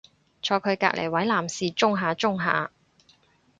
坐佢隔離位男士舂下舂下